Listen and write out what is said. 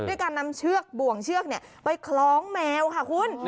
การนำเชือกบ่วงเชือกไปคล้องแมวค่ะคุณ